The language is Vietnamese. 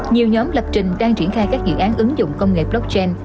nhiều nhóm lập trình đang triển khai các dự án ứng dụng công nghệ blockchain